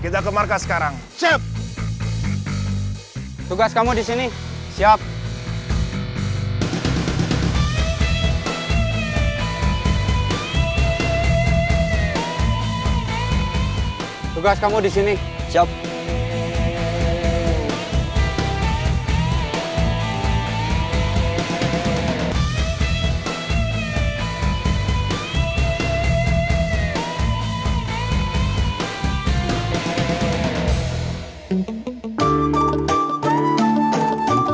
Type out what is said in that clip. tugas kamu di sini